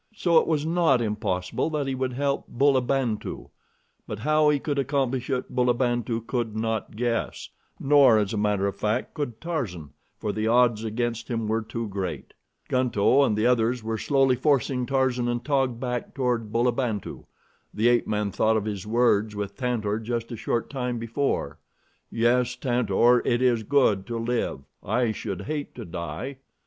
So it was not impossible that he would help Bulabantu; but how he could accomplish it Bulabantu could not guess; nor as a matter of fact could Tarzan, for the odds against him were too great. Gunto and the others were slowly forcing Tarzan and Taug back toward Bulabantu. The ape man thought of his words with Tantor just a short time before: "Yes, Tantor, it is good to live. I should hate to die."